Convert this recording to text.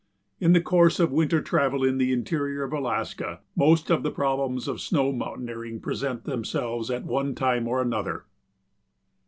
In the course of winter travel in the interior of Alaska most of the problems of snow mountaineering present themselves at one time or another.